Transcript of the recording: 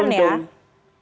dan dia dapat untung